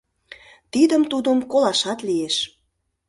— Тидым-тудым колашат лиеш.